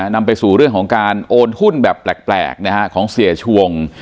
นำไปสู่เรื่องของการโอนหุ้นแบบแปลกของเสียชวง